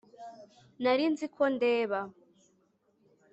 Nari nzi ko ndeba